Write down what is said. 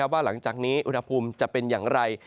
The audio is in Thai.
ว่าหลังจากนี้อุณหภูมิจะเป็นอย่างไร